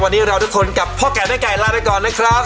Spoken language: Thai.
วันนี้ทุกคนกับพ่อก่อยหน้าไก่ละนะครับ